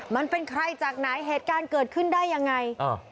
มันเป็นใครจากไหนเหตุการณ์เกิดขึ้นได้ยังไง